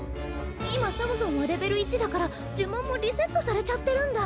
今サムソンはレベル１だからじゅもんもリセットされちゃってるんだ。